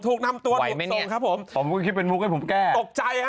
ถูกนำตัวติดส่งครับผมคิดเป็นมุกให้ผมแก้ตกใจฮะ